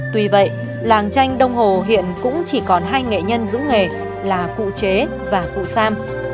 tuy vậy làng tranh đông hồ hiện cũng chỉ còn hai nghệ nhân giữ nghề là cụ chế và cụ sam